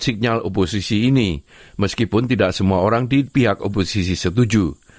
signal oposisi ini meskipun tidak semua orang di pihak oposisi setuju